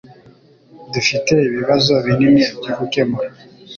Dufite ibibazo binini byo gukemura